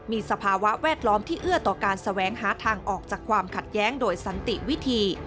มีสภาวะแวดล้อมที่เอื้อต่อการแสวงหาทางออกจากความขัดแย้งโดยสันติวิธี